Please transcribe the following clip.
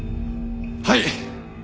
はい！